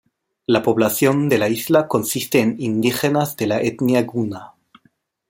La población de la isla consiste en indígenas de la etnia guna.